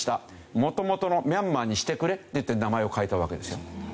元々のミャンマーにしてくれって言って名前を変えたわけですよ。